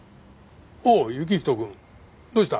おお行人くんどうした？